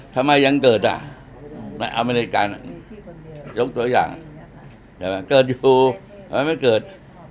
ทำไมยังเกิดอ่ะเอาไปในการยกตัวอย่างเกิดอยู่ทำไมไม่เกิด